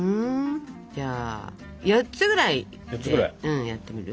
じゃあ４つぐらいでやってみる？